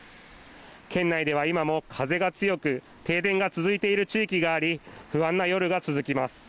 県内では今も風が強く停電が続いている地域があり不安な夜が続きます。